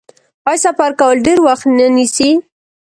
آیا سفر کول ډیر وخت نه نیسي؟